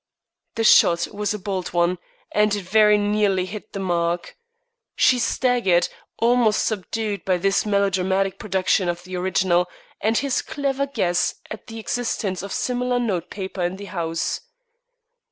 The shot was a bold one, and it very nearly hit the mark. She was staggered, almost subdued by this melodramatic production of the original, and his clever guess at the existence of similar notepaper in the house.